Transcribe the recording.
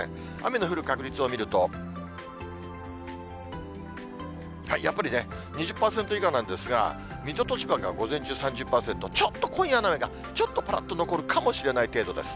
雨の降る確率を見ると、やっぱりね、２０％以下なんですが、水戸と千葉が、午前中３０％、ちょっと今夜のような、ちょっとぱらっと残るかもしれない程度です。